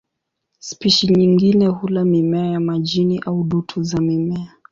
Spishi nyingine hula mimea ya majini au dutu za mimea.